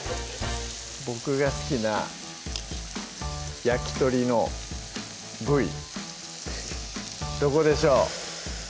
僕が好きな焼き鳥の部位どこでしょう？